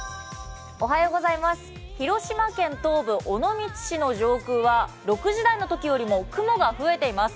広島県東部、尾道市の上空は６時台のときよりも雲が増えています。